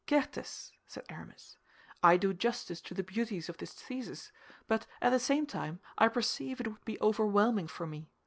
"Certes," said Aramis, "I do justice to the beauties of this thesis; but at the same time I perceive it would be overwhelming for me.